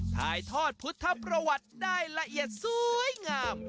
ถ่ายทอดพุทธประวัติได้ละเอียดสวยงาม